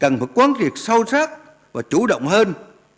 người sâu sắc và chủ động hơn